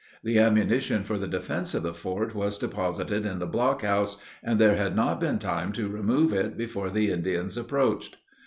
The ammunition for the defence of the fort was deposited in the blockhouse, and there had not been time to remove it before the Indians approached.